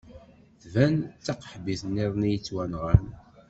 Tban d taqaḥbit niḍen i yettwanɣan.